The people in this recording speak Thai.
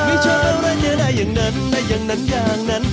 ไม่ใช่อะไรจะได้อย่างนั้นได้อย่างนั้นอย่างนั้น